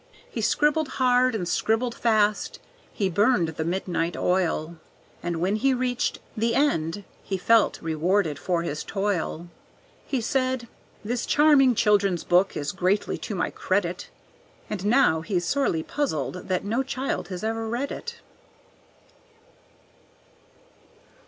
He scribbled hard, and scribbled fast, he burned the midnight oil, And when he reached "The End" he felt rewarded for his toil; He said, "This charming Children's Book is greatly to my credit." And now he's sorely puzzled that no child has ever read it.